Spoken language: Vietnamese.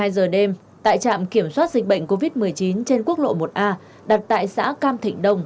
hai mươi giờ đêm tại trạm kiểm soát dịch bệnh covid một mươi chín trên quốc lộ một a đặt tại xã cam thịnh đông